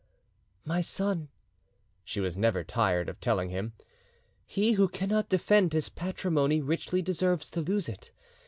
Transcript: "My son," she was never tired of telling him, "he who cannot defend his patrimony richly deserves to lose it.